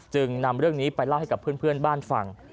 นำเรื่องนี้ไปเล่าให้กับเพื่อนบ้านฟัง